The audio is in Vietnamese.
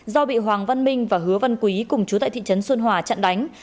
do bị hoàng văn minh và hứa văn quý cùng chú tại thị trấn xuân hòa chặn đánh